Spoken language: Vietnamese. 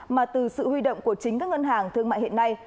mà từ sự huy động của chính các ngân hàng thương mại hiện nay